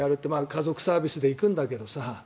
家族サービスで行くんだけどさ。